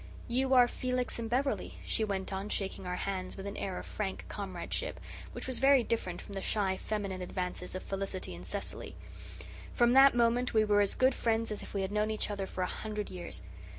"You are Felix and Beverley," she went on, shaking our hands with an air of frank comradeship, which was very different from the shy, feminine advances of Felicity and Cecily. From that moment we were as good friends as if we had known each other for a hundred years.